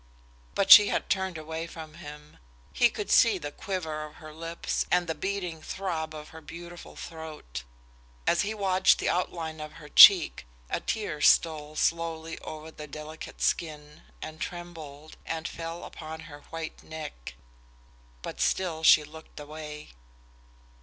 But she had turned away from him. He could see the quiver of her lips and the beating throb of her beautiful throat; and as he watched the outline of her cheek a tear stole slowly over the delicate skin, and trembled, and fell upon her white neck. But still she looked away.